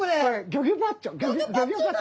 ギョギョパッチョだ！